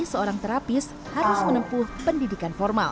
seorang terapis harus menempuh pendidikan formal